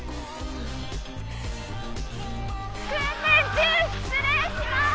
「訓練中失礼します！」